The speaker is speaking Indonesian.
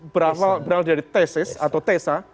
berasal dari tesis atau tesa